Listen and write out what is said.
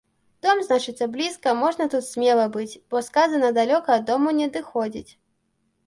Дом, значыцца, блізка, можна тут смела быць, бо сказана далёка ад дому не адыходзіць.